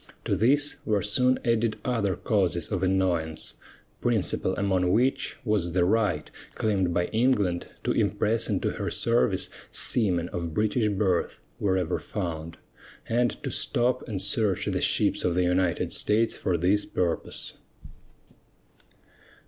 To this were soon added other causes of annoyance, principal among which was the right claimed by England to impress into her service seamen of British birth, wherever found, and to stop and search the ships of the United States for this purpose.